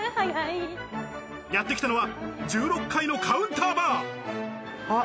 やってきたのは１６階のカウンターバー。